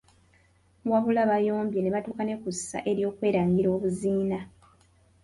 Wabula bayombye ne batuuka ne kussa ery’okwerangira obuziina.